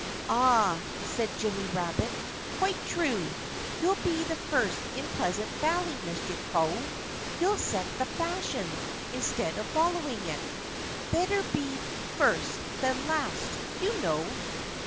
"Ah!" said Jimmy Rabbit. "Quite true! You'll be the first in Pleasant Valley, Mr. Crow. You'll set the fashion, instead of following it. Better be first than last, you know!"